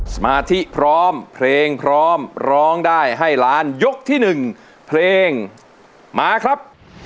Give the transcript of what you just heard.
สมาธิพร้อมเพลงพร้อมร้องได้ให้ล้านยกที่๑เพลงมาครับ